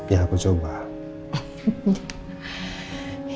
ya aku juga mau hubungi dia